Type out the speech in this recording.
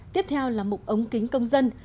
tiếp theo là mục ống kính công dân